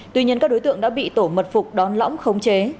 tuy nhiên các đối tượng đã bị tổ mật phục đón lõng khống chế